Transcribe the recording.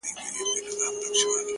د ستن او تار خبري ډيري شې دي،